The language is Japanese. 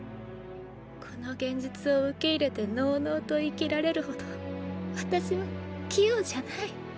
この現実を受け入れてのうのうと生きられるほど私は器用じゃない。